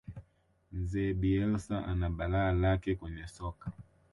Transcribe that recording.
mzee bielsa ana balaa lake kwenye soka